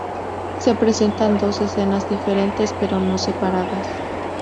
Se representan dos escenas diferentes, pero no separadas.